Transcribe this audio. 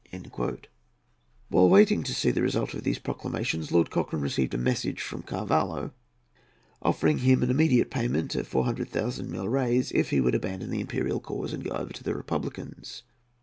While waiting to see the result of those proclamations Lord Cochrane received a message from Carvalho, offering him immediate payment of 400,000 milreis if he would abandon the imperial cause and go over to the republicans.